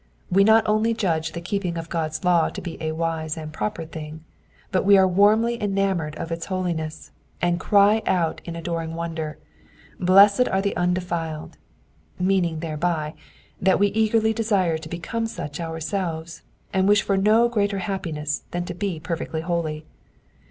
We not only judge the keeping of God^s law to be a wise and proper thing, but we are warmly enamoured of its holiness, and cry out in adoring wonder, ^^ Blessed are the undefiled !" meaning thereby, that We eagerly desire to become such our selves, and wish for no greater happiness than to be perfectly holy.